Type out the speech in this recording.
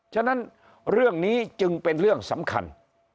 ฉะนั้นเรื่องนี้จึงเป็นเรื่องสำคัญ